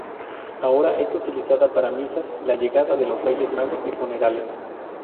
Ahora es utilizada para misas, la llegada de los reyes magos y funerales.